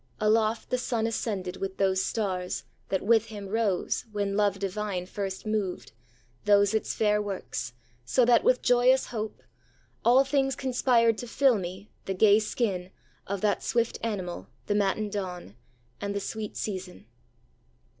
Aloft the sun ascended with those stars That with him rose, when Love divine first moved Those its fair works; so that with joyous hope All things conspire to fill me, the gay skin Of that swift animal, the matin dawn. And the sweet season.